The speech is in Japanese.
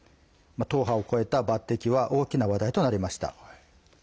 党派を超えた抜てきは大きな話題となりました。